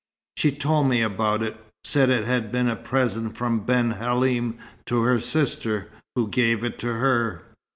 She told me about it; said it had been a present from Ben Halim to her sister, who gave it to her."